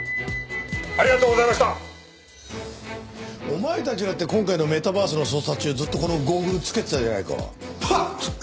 お前たちだって今回のメタバースの捜査中ずっとこのゴーグルつけてたじゃないか。